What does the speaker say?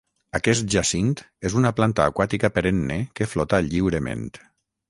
Aquest jacint és una planta aquàtica perenne que flota lliurement.